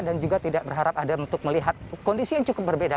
dan juga tidak berharap ada untuk melihat kondisi yang cukup berbeda